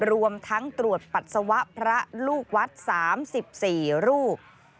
รวมทั้งตรวจปัสสาวะพระลูกวัด๓๔รูป